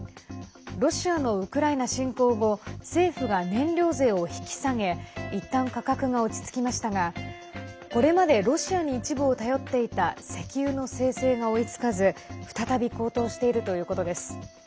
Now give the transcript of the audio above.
ロシアのウクライナ侵攻後政府が燃料税を引き下げいったん価格が落ち着きましたがこれまでロシアに一部を頼っていた石油の精製が追いつかず再び高騰しているということです。